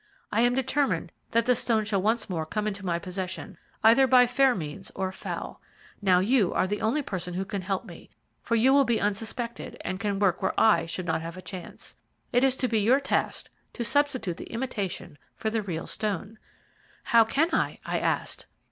I am determined that the stone shall once more come into my possession, either by fair means or foul. Now, you are the only person who can help me, for you will be unsuspected, and can work where I should not have a chance. It is to be your task to substitute the imitation for the real stone.' "'How can I?' I asked.